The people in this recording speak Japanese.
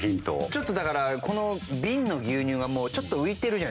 ちょっとだからこの瓶の牛乳がちょっと浮いてるじゃないですか。